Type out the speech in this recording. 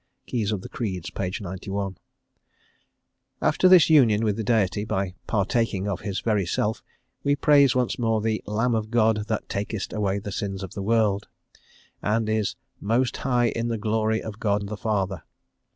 ("Keys of the Creeds," page 91.) After this union with the Deity, by partaking of his very self, we praise once more the "Lamb of God that takest away the sins of the world," and is "most high in the glory of God the Father."